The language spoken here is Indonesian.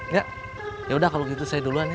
ya ya udah kalau gitu saya duluan ya